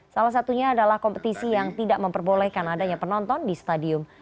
salah satunya adalah kompetisi yang tidak memperbolehkan adanya penonton di stadium